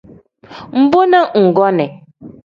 Mbo na nggonii.